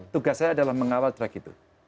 tugas saya adalah mengawal track itu